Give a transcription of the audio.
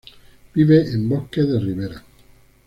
Vive en bosques de ribera.